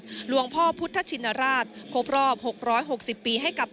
หลวงพ่อพุทธชินราชครบรอบ๖๖๐ปีให้กับ